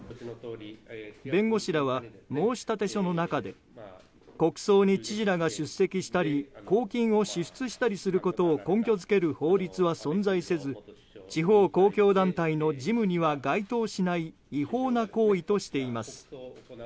弁護士らは、申立書の中で国葬の知事らが出席したり公金を支出したりすることを根拠づける法律は存在せず地方公共団体の事務には該当しない違法な行為としています。